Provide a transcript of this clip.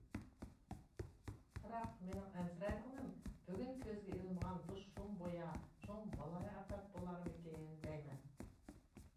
بىراق مېنىڭ ئەنسىرەيدىغىنىم بۈگۈن كۆزگە ئىلمىغان بۇ شۇم بۇيا، چوڭ بالايىئاپەت بولارمىكىن دەيمەن.